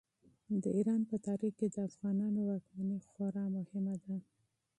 د ایران په تاریخ کې د افغانانو واکمني خورا مهمه ده.